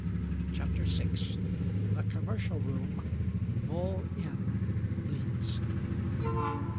CHAPTER VI. THE COMMERCIAL ROOM, BULL INN, LEEDS.